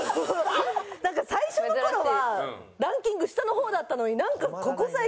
なんか最初の頃はランキング下の方だったのになんかここ最近。